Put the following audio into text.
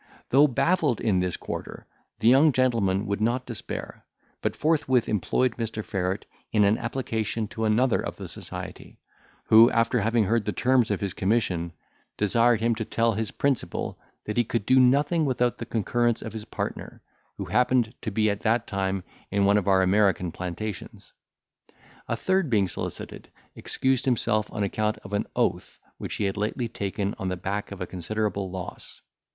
Though baffled in this quarter, the young gentleman would not despair; but forthwith employed Mr. Ferret in an application to another of the society; who, after having heard the terms of his commission, desired him to tell his principal, that he could do nothing without the concurrence of his partner, who happened to be at that time in one of our American plantations. A third being solicited, excused himself on account of an oath which he had lately taken on the back of a considerable loss.